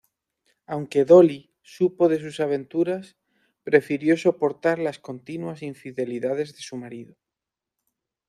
Aunque "Dolly" supo de sus aventuras, prefirió soportar las continuas infidelidades de su marido.